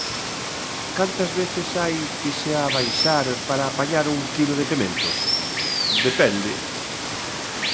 Cantas veces hai que se abaixar para apañar un quilo de pementos? Depende...